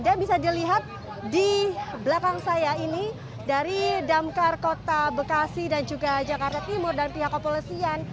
dan bisa dilihat di belakang saya ini dari damkar kota bekasi dan juga jakarta timur dan pihak opolesian